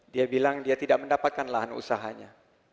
dia bilang dia tidak mendapatkan lahan usahanya